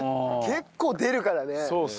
結構出るからね。